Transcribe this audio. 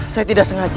saya tidak sengaja